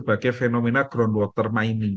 sebagai fenomena groundwater mining